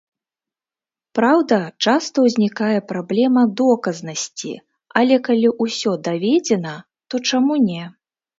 Праўда, часта ўзнікае праблема доказнасці, але калі ўсё даведзена, то чаму не?